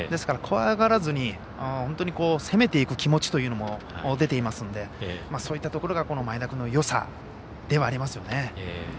怖がらずに、本当に攻めていく気持ちというのも出ていますのでそういったところが前田君のよさではありますよね。